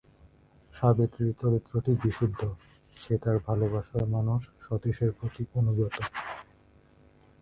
সাবিত্রী চরিত্রটি বিশুদ্ধ, সে তার ভালবাসার মানুষ সতীশ-এর প্রতি অনুগত।